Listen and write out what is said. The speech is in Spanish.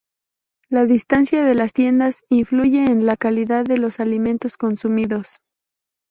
La distancia de las tiendas influye en la calidad de los alimentos consumidos.